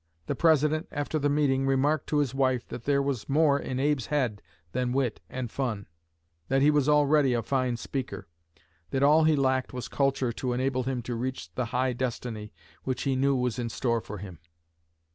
The president, after the meeting, remarked to his wife that there was more in Abe's head than wit and fun; that he was already a fine speaker; that all he lacked was culture to enable him to reach the high destiny which he knew was in store for him."